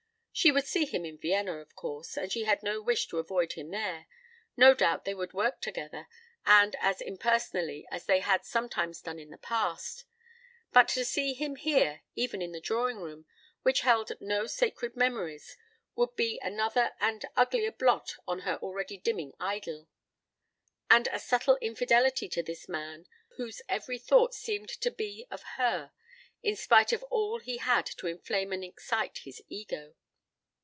She would see him in Vienna, of course, and she had no wish to avoid him there; no doubt they would work together and as impersonally as they had sometimes done in the past; but to see him here, even in the drawing room, which held no sacred memories, would be but another and uglier blot on her already dimming idyl; and a subtle infidelity to this man whose every thought seemed to be of her in spite of all he had to inflame and excite his ego.